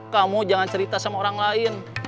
kamu jangan cerita sama orang lain